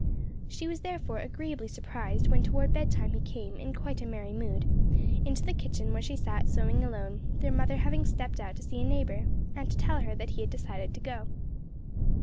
She was therefore agreeably surprised when toward bed time he came, in quite a merry mood, into the kitchen where she sat sewing alone, their mother having stepped out to see a neighbor, to tell her that he had decided to go.